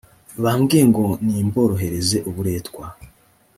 bambwiye ngo nimborohereze uburetwa